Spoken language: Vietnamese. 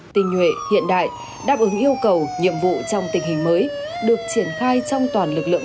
tinh nhuệ hiện đại đáp ứng yêu cầu nhiệm vụ trong tình hình mới được triển khai trong toàn lực lượng